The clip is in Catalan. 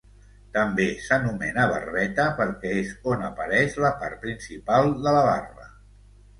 També s'anomena barbeta perquè és on apareix la part principal de la barba.